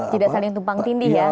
tidak saling tumpang tindih ya